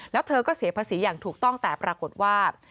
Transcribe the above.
แล้วเธอก็เสียภาษีอย่างถูกต้องแต่ปรากฏว่า